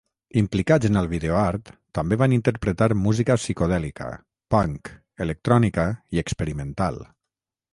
Implicats en el videoart, també van interpretar música psicodèlica, punk, electrònica i experimental.